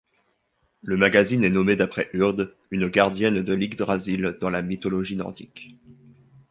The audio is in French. Le magazine est nommé d'après Urd, une gardienne de l'Yggdrasil dans la mythologie nordique.